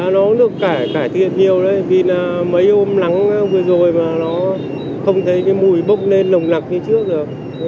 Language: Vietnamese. nó được cải thiện nhiều đấy vì là mấy hôm lắng vừa rồi mà nó không thấy cái mùi bốc lên lồng lặc như trước rồi